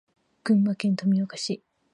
群馬県富岡市